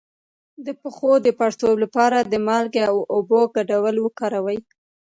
د پښو د پړسوب لپاره د مالګې او اوبو ګډول وکاروئ